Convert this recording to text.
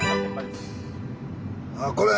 ああこれ。